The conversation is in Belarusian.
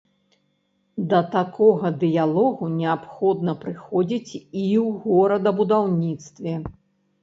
Да такога дыялогу неабходна прыходзіць і ў горадабудаўніцтве.